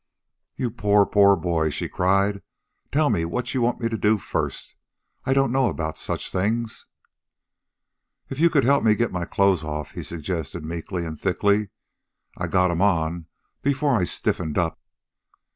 "You poor, poor boy," she cried. "Tell me what you want me to do first. I don't know about such things." "If you could help me get my clothes off," he suggested meekly and thickly. "I got 'em on before I stiffened up."